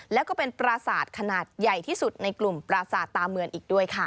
แล้วก็เป็นปราสาทขนาดใหญ่ที่สุดในกลุ่มปราสาทตาเมืองอีกด้วยค่ะ